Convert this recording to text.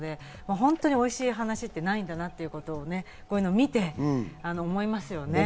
おいしい話ってないんだなっていうことをこういうのを見て思いますよね。